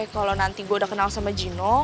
kalau nanti gue udah kenal sama gino